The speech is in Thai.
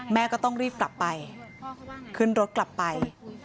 แม่ก็ต้องรีบกลับไปขึ้นรถกลับไป